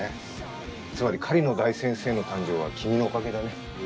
つまり狩野大先生の誕生は君のおかげだね。